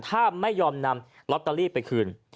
ถ้าไม่ยอมนำลอตเตอรี่ไปคืน